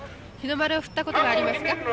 日の丸を振ったことがありますか？